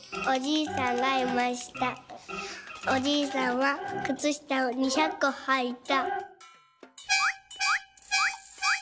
おじいさんはくつしたを２００こはいた」。